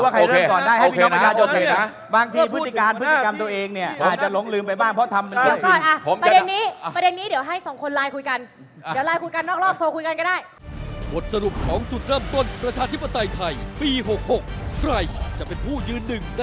ก็ไปย้อนดูว่าใครเริ่มก่อนได้ให้พี่น้องประชาโดยโอเคนะ